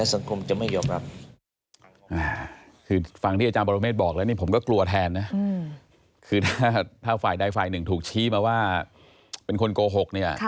อาจจะได้มาแล้วมันก็อาจไม่มี